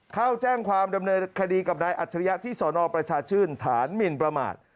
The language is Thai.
เข้าแจ้งความดำเนินคดีกับนายอัจฉริยะที่สนประชาชื่นฐานหมินประมาท